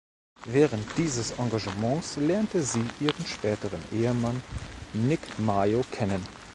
Während dieses Engagements lernte sie ihren späteren Ehemann Nick Mayo kennen.